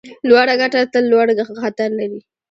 لوړه ګټه تل لوړ خطر لري.